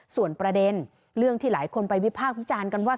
ส่วนประเด็นเรื่องที่หลายคนไปวิพากษ์วิจารณ์กันว่า